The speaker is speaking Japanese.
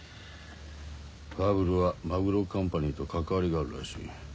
ファブルは真黒カンパニーと関わりがあるらしい。